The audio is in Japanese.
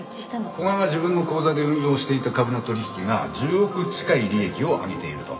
古賀が自分の口座で運用していた株の取引が１０億近い利益を上げていると。